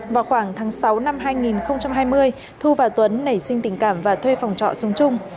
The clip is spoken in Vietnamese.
vào khoảng tháng sáu năm hai nghìn hai mươi thu và tuấn nảy sinh tình cảm và thuê phòng trọ xuống chung